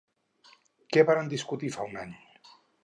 Què varen discutir fa un any?